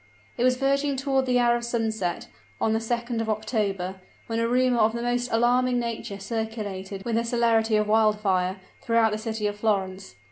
It was verging toward the hour of sunset, the 2d of October, when a rumor of a most alarming nature circulated with the celerity of wild fire through the city of Florence.